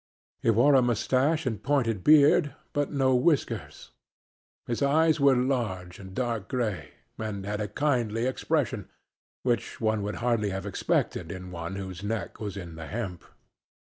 He wore a mustache and pointed beard, but no whiskers; his eyes were large and dark gray, and had a kindly expression which one would hardly have expected in one whose neck was in the hemp.